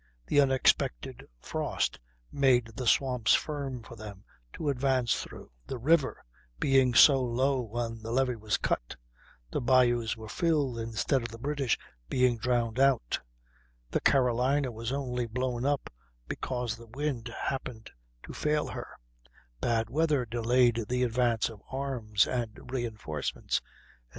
The unexpected frost made the swamps firm for them to advance through; the river being so low when the levee was cut, the bayous were filled, instead of the British being drowned out; the Carolina was only blown up because the wind happened to fail her; bad weather delayed the advance of arms and reinforcements, etc.